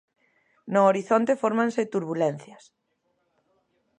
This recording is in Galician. No horizonte fórmanse turbulencias.